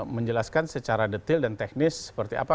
menjelaskan secara detail dan teknis seperti apa